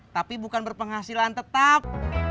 tapi bukan berpenghasilan tetap